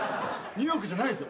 ニューヨークじゃないです。